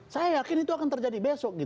saya yakin itu akan terjadi besok